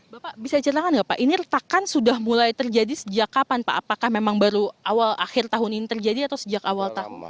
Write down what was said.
bapak bisa ceritakan nggak pak ini retakan sudah mulai terjadi sejak kapan pak apakah memang baru awal akhir tahun ini terjadi atau sejak awal tahun